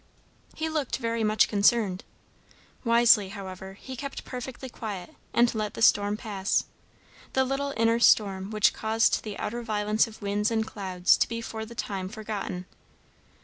He looked very much concerned. Wisely, however, he kept perfectly quiet and let the storm pass; the little inner storm which caused the outer violence of winds and clouds to be for the time forgotten.